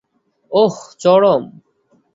ওহ, চরম।